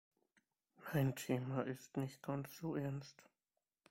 Mein Thema ist nicht ganz so ernst.